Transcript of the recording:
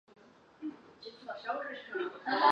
有腺泡花树为清风藤科泡花树属下的一个变种。